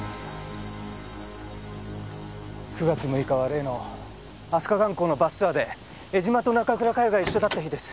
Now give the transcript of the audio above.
９月６日は例の飛鳥観光のバスツアーで江島と中倉佳世が一緒だった日です。